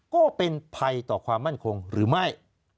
ก็เป็นภัยต่อความมั่นคงหรือไม่